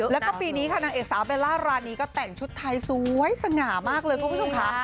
แล้วก็ปีนี้ค่ะนางเอกสาวเบลล่ารานีก็แต่งชุดไทยสวยสง่ามากเลยคุณผู้ชมค่ะ